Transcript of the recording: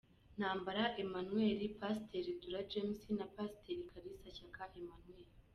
Ntambara Emmanuel, Pasiteri Dura James na Pasiteri Kalisa Shyaka Emmanuel.